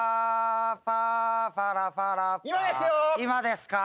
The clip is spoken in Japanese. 今ですよ。